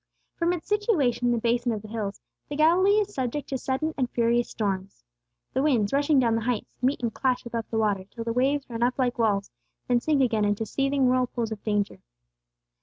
From its situation in the basin of the hills, the Galilee is subject to sudden and furious storms. The winds, rushing down the heights, meet and clash above the water, till the waves run up like walls, then sink again into seething whirlpools of danger.